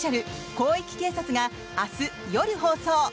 「広域警察」が明日夜放送！